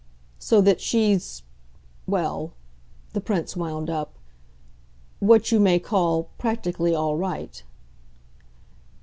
So that she's well," the Prince wound up, "what you may call practically all right."